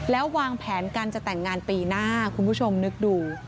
แล้ววางแผนกันจะแต่งงานปีหน้าคุณผู้ชมนึกดู